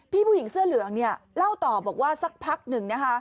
พี่ผู้หญิงเสื้อเหลืองเนี่ยเล่าต่อบอกว่าสักพักหนึ่ง